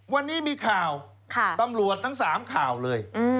วันนี้มีข่าวตำรวจทั้ง๓ข่าวเลย